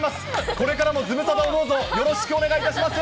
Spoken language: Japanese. これからもズムサタをどうぞよろしくお願いいたします。